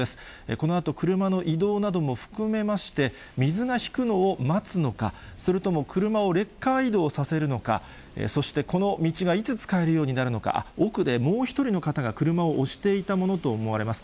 このあと車の移動なども含めまして、水が引くのを待つのか、それとも車をレッカー移動させるのか、そしてこの道がいつ使えるようになるのか、奥でもう一人の方が車を押していたものと思われます。